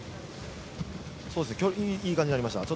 いい感じになりました。